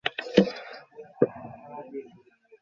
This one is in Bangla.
সে নিশ্চয়ই কোথাও কোনো ভুল করেছে, খুঁজে বের করো।